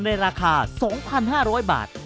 ในราคา๒๕๐๐บาท